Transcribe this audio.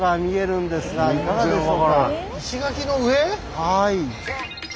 はい。